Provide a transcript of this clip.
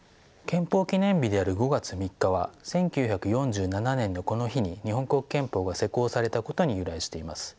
憲法記念日である５月３日は１９４７年のこの日に日本国憲法が施行されたことに由来しています。